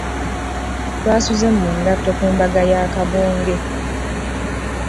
Twasuze mu ngatto ku mbaga ya Kabonge.